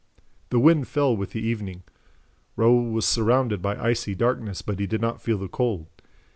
The wind fell with the evening. Raoul was surrounded by icy darkness, but he did not feel the cold.